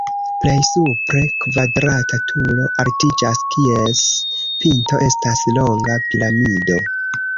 Plej supre kvadrata turo altiĝas, kies pinto estas longa piramido.